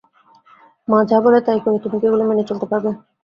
মা যা বলে তাই করে তুমি কি এগুলো মেনে চলতে পারবে?